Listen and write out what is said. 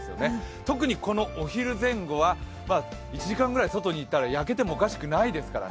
特にこのお昼前後は１時間ぐらい外にいたら焼けてもおかしくないですからね